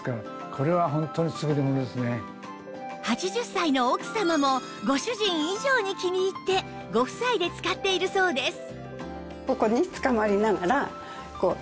８０歳の奥様もご主人以上に気に入ってご夫妻で使っているそうです